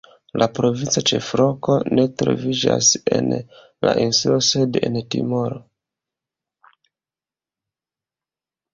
La provinca ĉefloko ne troviĝas en la insulo sed en Timoro.